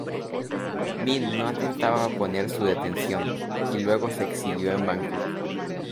Minh no atentaba oponer su detención, y luego se exilió en Bangkok.